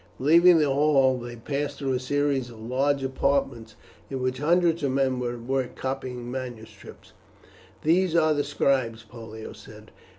Leaving the hall they passed through a series of large apartments, in which hundreds of men were at work copying manuscripts. "These are scribes," Pollio said.